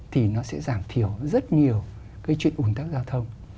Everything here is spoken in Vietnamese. thì nó sẽ giảm thiểu rất nhiều cái chuyện ủng tắc giao thông